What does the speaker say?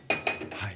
はい。